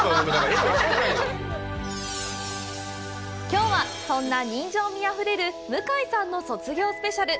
きょうは、そんな人情味あふれる向井さんの卒業スペシャル。